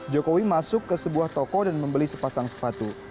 jokowi masuk ke sebuah toko dan membeli sepasang sepatu